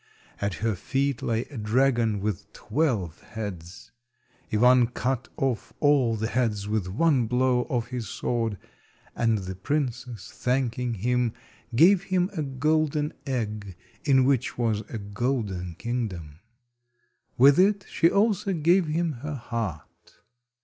At her feet lay a dragon with twelve heads. Ivan cut off all the heads with one blow of his sword, and the princess, thanking him, gave him a golden egg, in which was a golden kingdom. With it she also gave him her heart.